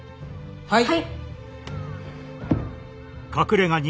はい！